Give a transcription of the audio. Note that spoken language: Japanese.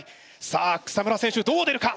さあ草村選手どう出るか？